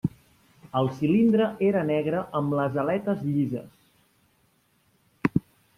El cilindre era negre amb les aletes llises.